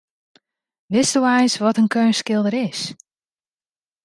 Witsto eins wat in keunstskilder is?